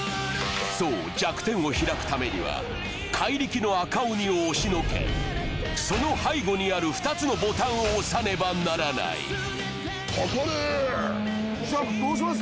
そう弱点を開くためには怪力の赤鬼を押しのけその背後にある２つのボタンを押さねばならないじゃどうします？